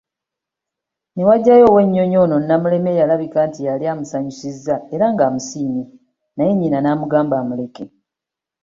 Newajjawo ow’enyonyi ono Namuleme yalabika nti yali amusanyusizza era ng’amusiimye naye nnyina namugamba amuleke.